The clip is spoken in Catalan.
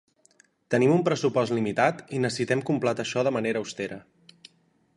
Tenim un pressupost limitat i necessitem completar això de manera austera.